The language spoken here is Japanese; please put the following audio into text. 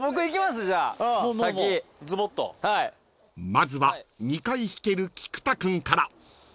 ［まずは２回引ける菊田君から］